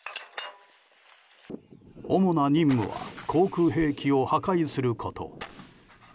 主な任務は航空兵器を破壊すること。